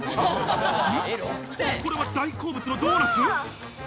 これは大好物のドーナツ。